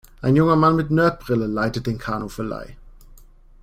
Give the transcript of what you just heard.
Ein junger Mann mit Nerd-Brille leitet den Kanuverleih.